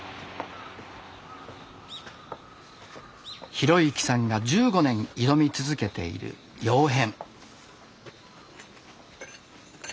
浩之さんが１５年挑み続けている窯変。